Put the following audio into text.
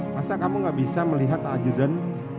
masa kamu gak bisa melihat ajudan